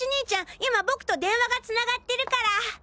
今僕と電話が繋がってるから。